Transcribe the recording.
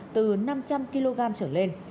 từ năm trăm linh kg chở lên